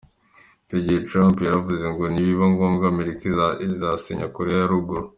Icyo gihe Trump yaravuze ngo ni biba ngombwa Amerika isasenya Koreya ya Ruguru.